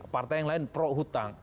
partai yang lain pro hutang